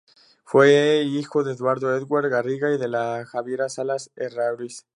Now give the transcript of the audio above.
Fue hijo de Eduardo Edwards Garriga y de Javiera Salas Errázuriz.